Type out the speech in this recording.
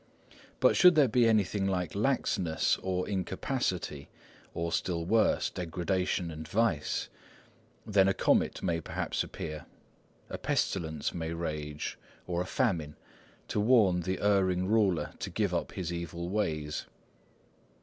But should there be anything like laxness or incapacity, or still worse, degradation and vice, then a comet may perhaps appear, a pestilence may rage, or a famine, to warn the erring ruler to give up his evil ways.